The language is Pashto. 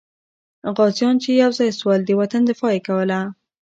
غازیان چې یو ځای سول، د وطن دفاع یې کوله.